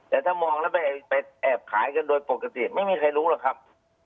แต่ถ้ามองแล้วไปแอบขายกันโดยปกติไม่มีใครรู้หรอกครับ